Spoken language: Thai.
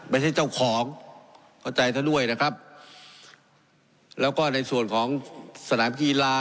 ไม่ใช่เจ้าของเข้าใจท่านด้วยนะครับแล้วก็ในส่วนของสนามกีฬา